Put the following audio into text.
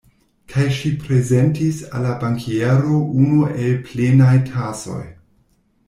Kaj ŝi prezentis al la bankiero unu el plenaj tasoj.